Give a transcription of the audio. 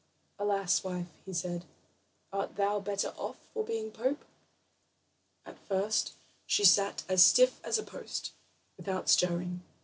"Alas, wife," he said, "art thou better off for being pope?" At first she sat as stiff as a post, without stirring.